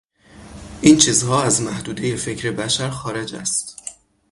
این چیزها از محدودهی فکر بشر خارج است.